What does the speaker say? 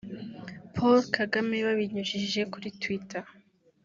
Paul Kagame babinyujije kuri Twitter